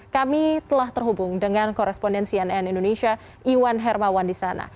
kami telah terhubung dengan korespondensi nn indonesia iwan hermawan di sana